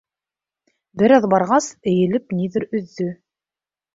Бер аҙ барғас, эйелеп ниҙер өҙҙө.